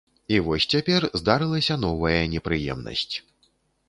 І вось цяпер здарылася новая непрыемнасць.